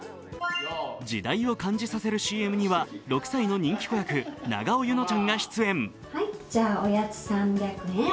時代を感じさせるＣＭには６歳の人気子役・永尾柚乃ちゃんが出演。